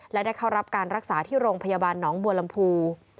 และได้เข้ารับการรักษาที่โรงพยาบาลหนองบัวลำพู